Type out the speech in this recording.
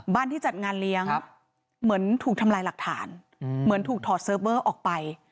ที่จัดงานเลี้ยงเหมือนถูกทำลายหลักฐานเหมือนถูกถอดเซิร์ฟเวอร์ออกไป